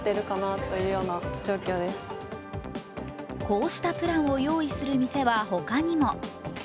こうしたプランを用意する店はほかにも。